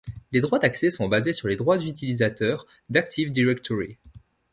Les droits d'accès sont basés sur les droits utilisateurs d'Active Directory.